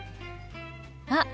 あっ！